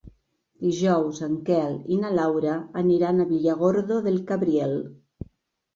Dijous en Quel i na Laura aniran a Villargordo del Cabriel.